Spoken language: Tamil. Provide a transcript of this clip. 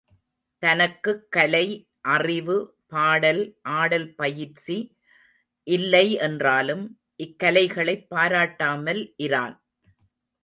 தனக்குக் கலை அறிவு, பாடல், ஆடல் பயிற்சி இல்லை என்றாலும், இக்கலைகளைப் பாராட்டாமல் இரான்.